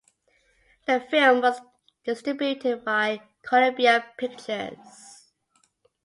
The film was distributed by Columbia Pictures.